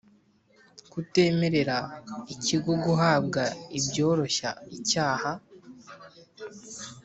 Kutemerera ikigo guhabwa ibyoroshya icyaha